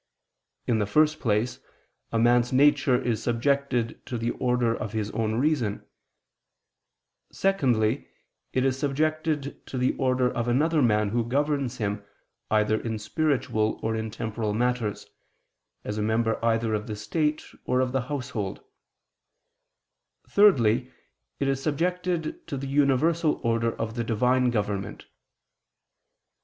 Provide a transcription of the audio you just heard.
In the first place a man's nature is subjected to the order of his own reason; secondly, it is subjected to the order of another man who governs him either in spiritual or in temporal matters, as a member either of the state or of the household; thirdly, it is subjected to the universal order of the Divine government.